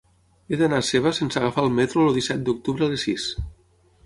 He d'anar a Seva sense agafar el metro el disset d'octubre a les sis.